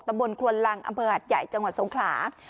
ตำรวจคนลังอำเภอหัดใหญ่จังหวัดสงขลา